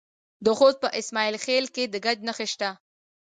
د خوست په اسماعیل خیل کې د ګچ نښې شته.